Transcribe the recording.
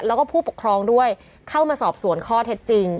แล้วก็ผู้ปกครองด้วยเข้ามาสอบสวนข้อเท็จจริง